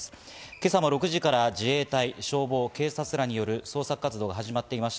今朝も６時から自衛隊、消防、警察らによる捜索活動が始まっています。